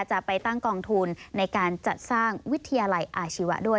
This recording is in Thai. จะไปตั้งกองทุนในการจัดสร้างวิทยาลัยอาชีวะด้วย